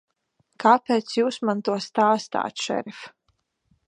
Kāpēc Jūs man to stāstāt, šerif?